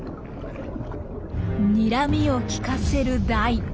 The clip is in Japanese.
にらみを利かせるダイ。